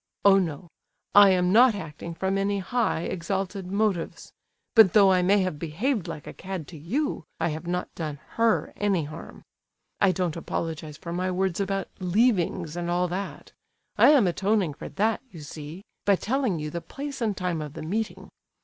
Oh, no! I am not acting from any high, exalted motives. But though I may have behaved like a cad to you, I have not done her any harm. I don't apologize for my words about 'leavings' and all that. I am atoning for that, you see, by telling you the place and time of the meeting.